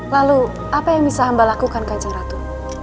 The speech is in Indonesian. lalu apa yang bisa hamba lakukan kacang ratu